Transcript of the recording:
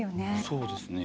そうですね。